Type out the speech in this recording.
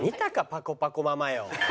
「パコパコママ」よ。